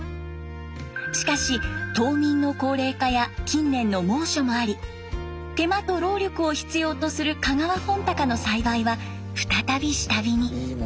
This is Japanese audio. しかし島民の高齢化や近年の猛暑もあり手間と労力を必要とする香川本鷹の栽培は再び下火に。